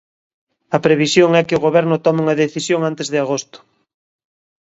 A previsión é que o Goberno tome unha decisión antes de agosto.